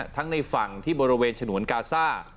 ทั้งในฝั่งที่บริเวณฉะโหนวัลกาซ่า